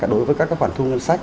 đối với các quản thu ngân sách